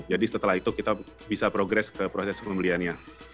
jadi setelah itu kita bisa progres ke proses pembeliannya